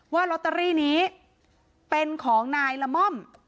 ว่าลอตเตอรี่นี้เป็นของนายละม่อม